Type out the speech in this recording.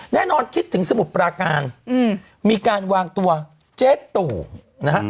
แน่นอนคิดถึงสมุทรปราการมีการวางตัวเจ๊ตู่นะฮะ